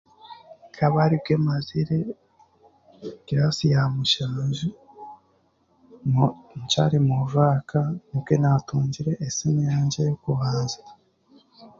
Nkaba ribwe mazire kiraasi ya mushanju mumwa nkyari mu vaaca nibwe naatungire esimu yangye y'okubanza